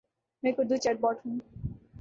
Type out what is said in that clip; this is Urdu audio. میں ایک اردو چیٹ بوٹ ہوں۔